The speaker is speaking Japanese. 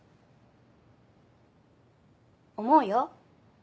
思うよ。